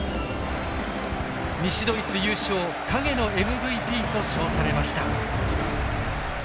西ドイツ優勝「影のＭＶＰ」と称されました。